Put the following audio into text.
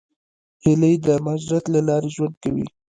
هیلۍ د مهاجرت له لارې ژوند کوي